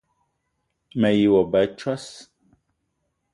Me yi wa ba a tsoss!